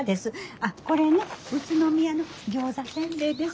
あっこれね宇都宮の餃子煎餅です。